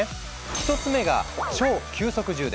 １つ目が「超急速充電」！